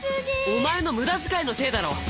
お前の無駄遣いのせいだろ！